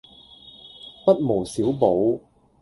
不無小補